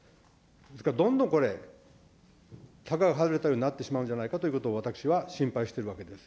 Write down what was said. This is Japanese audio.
ですからどんどんこれ、たがが外れたようになってしまうんじゃないかと私は心配しているわけです。